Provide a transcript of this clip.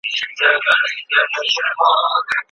که ته غواړې پوه شه.